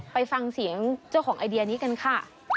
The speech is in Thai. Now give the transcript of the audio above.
ไปฟังเสียงเจ้าของไอเดียนี้กันค่ะ